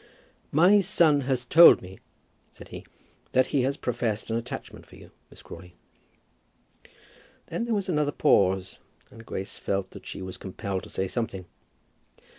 "My son has told me," said he, "that he has professed an attachment for you, Miss Crawley." Then there was another pause, and Grace felt that she was compelled to say something.